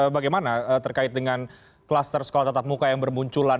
bagaimana terkait dengan kluster sekolah tatap muka yang bermunculan